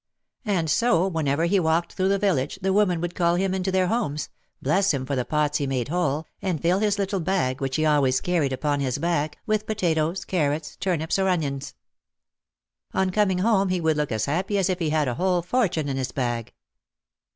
And so whenever he walked through the village the women would call him into their homes, bless him for the pots he made whole, and fill his little bag, which he always carried upon his back, with potatoes, carrots, turnips or onions. On coming home he would look as happy as if he had a whole fortune in his bag.